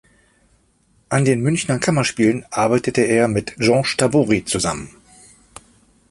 An den Münchner Kammerspielen arbeitete er mit George Tabori zusammen.